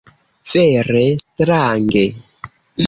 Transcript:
Vere strange.